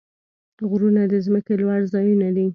غرونه د ځمکې لوړ ځایونه دي.